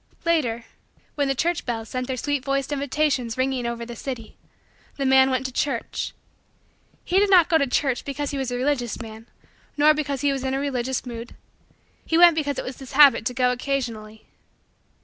Later, when the church bells sent their sweet voiced invitations ringing over the city, the man went to church. He did not go to church because he was a religious man nor because he was in a religious mood; he went because it was his habit to go occasionally.